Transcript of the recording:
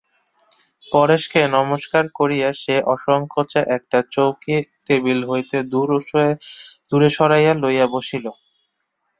পরেশকে নমস্কার করিয়া সে অসংকোচে একটা চৌকি টেবিল হইতে কিছু দূরে সরাইয়া লইয়া বসিল।